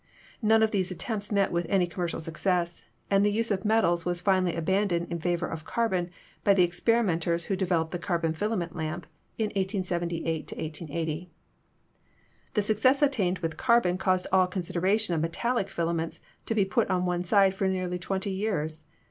None of these attempts met with any commercial success, and the use of metals was finally abandoned in favor of carbon by the experimenters who developed the carbon filament lamp in 1878 1880. The success attained with carbon caused all considera tion of metallic filaments to be put on one side for nearly twenty years.